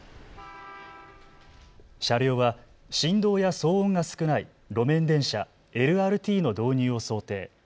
車両は振動や騒音が少ない路面電車、ＬＲＴの導入を想定。